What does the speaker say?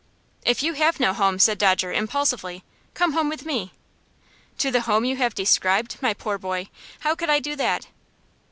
"If you have no home," said Dodger, impulsively, "come home with me." "To the home you have described, my poor boy? How could I do that?"